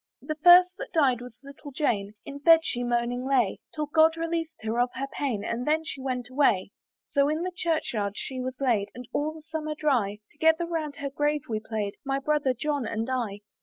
"The first that died was little Jane; "In bed she moaning lay, "Till God released her of her pain, "And then she went away. "So in the church yard she was laid, "And all the summer dry, "Together round her grave we played, "My brother John and I.